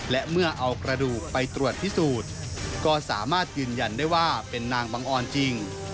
และเมื่อเอากระดูกไปตรวจพิสูจน์ก็สามารถยืนยันได้ว่าเป็นนางบังออนจริง